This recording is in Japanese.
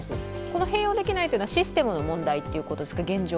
この併用できないのはシステムの問題ということですか、現状。